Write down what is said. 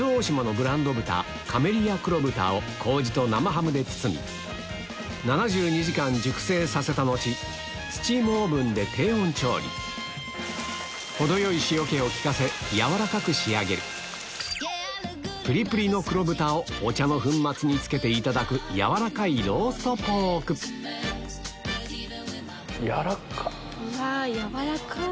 オーダー麹と生ハムで包み７２時間熟成させた後スチームオーブンで低温調理程よい塩気を利かせ軟らかく仕上げるプリプリの黒豚をお茶の粉末につけていただく軟らかいローストポークうわ軟らかい！